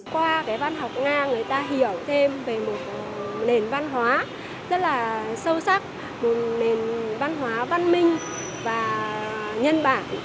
qua cái văn học nga người ta hiểu thêm về một nền văn hóa rất là sâu sắc một nền văn hóa văn minh và nhân bản